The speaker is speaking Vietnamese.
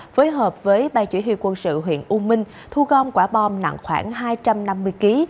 phối hợp với ban chỉ huy quân sự huyện u minh thu gom quả bom nặng khoảng hai trăm năm mươi kg